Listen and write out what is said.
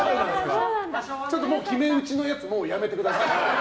ちょっと決め打ちのやつもうやめてください。